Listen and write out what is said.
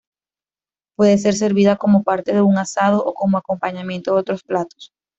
Puede ser servida como parte de un asado o como acompañamiento de otros platos.